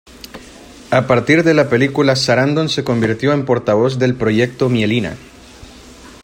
A partir de la película Sarandon se convirtió en portavoz del "Proyecto Mielina".